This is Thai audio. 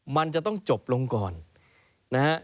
มันจะต้องจบลงก่อนนะฮะ